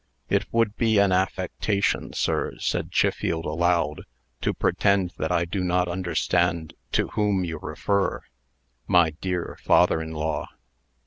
"It would be an affectation, sir," said Chiffield, aloud, "to pretend that I do not understand to whom you refer, my dear father in law."